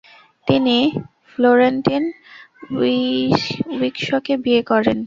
তিনি ফ্লোরেন্টিন উইকসকে বিয়ে করেন।